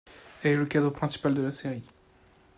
Elle est le cadre principal de la série.